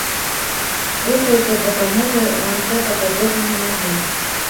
Рухаюцца з дапамогай ланцэтападобнай нагі.